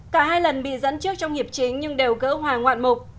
cả hai lần bị dẫn trước trong hiệp chính nhưng đều cỡ hòa ngoạn mục